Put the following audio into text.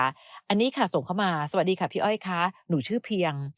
อันนี้ค่ะส่งเข้ามาสวัสดีค่ะพี่อ้อยค่ะหนูชื่อเพียง